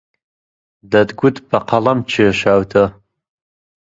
دەتگوت بە قەڵەم کێشاوتە